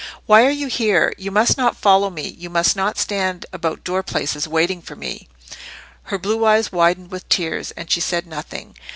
"Why are you here? You must not follow me—you must not stand about door places waiting for me." Her blue eyes widened with tears, and she said nothing.